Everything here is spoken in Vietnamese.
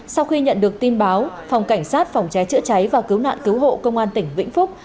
sau khi nhận được tin báo phòng cảnh sát phòng cháy chữa cháy và cứu nạn cứu hộ công an tỉnh vĩnh phúc